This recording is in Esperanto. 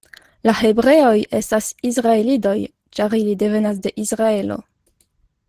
La hebreoj estas Izraelidoj, ĉar ili devenas de Izraelo.